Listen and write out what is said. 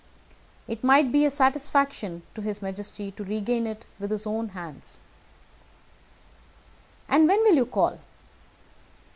It might be a satisfaction to his majesty to regain it with his own hands." "And when will you call?"